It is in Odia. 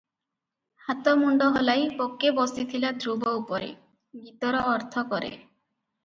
ହାତ ମୁଣ୍ଡ ହଲାଇ 'ବକେ ବସିଥିଲା ଧ୍ରୁବ ଉପରେ' ଗୀତର ଅର୍ଥ କରେ ।